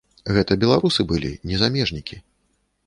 Гэта беларусы былі, не замежнікі.